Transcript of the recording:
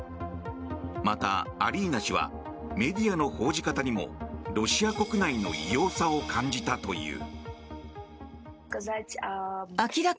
また、アリーナ氏はメディアの報じ方にもロシア国内の異様さを感じたという。